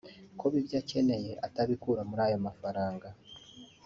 Kuba ibyo akeneye atabikura muri ayo mafaranga